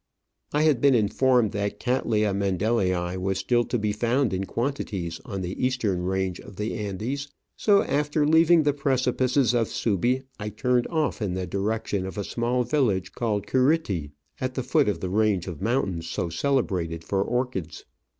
I had been informed that Cattleya Mendelii was still to be found in quantities on the eastern range of the Andes ; so, after leaving the precipices of Subi, I turned off in the direction of a small village called Curiti, at the foot of the range of mountains so celebrated for orchids.